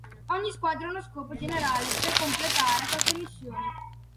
Ogni squadra ha uno scopo generale per completare queste missioni.